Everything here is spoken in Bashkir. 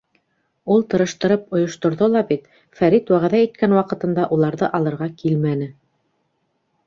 Ул тырыштырып ойошторҙо ла бит, Фәрит вәғәҙә иткән ваҡытында уларҙы алырға килмәне.